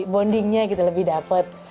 bondingnya kita lebih dapat